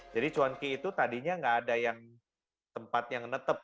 jadi cuanki itu tadinya nggak ada yang tempat yang netep